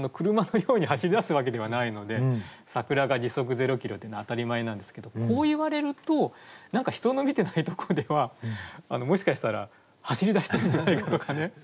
車のように走りだすわけではないので桜が「時速０ｋｍ」というのは当たり前なんですけどこういわれると何か人の見てないところではもしかしたら走りだしてるんじゃないかとかね。